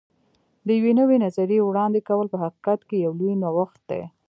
د یوې نوې نظریې وړاندې کول په حقیقت کې یو لوی نوښت دی.